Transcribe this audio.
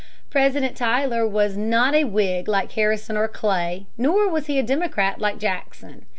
President Tyler was not a Whig like Harrison or Clay, nor was he a Democrat like Jackson.